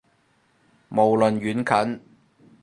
無論遠近